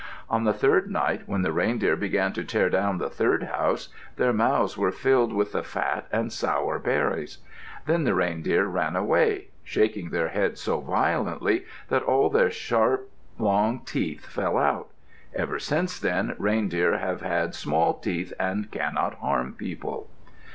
On the third night when the reindeer began to tear down the third house, their mouths were filled with the fat and sour berries. Then the reindeer ran away, shaking their heads so violently that all their long, sharp teeth fell out. Ever since then reindeer have had small teeth and cannot harm people.